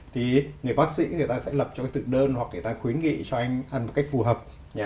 thì người bác sĩ người ta sẽ lập cho các thực đơn hoặc người ta khuyến nghị cho anh ăn một cách phù hợp